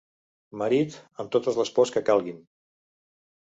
Marit, amb totes les pors que calguin.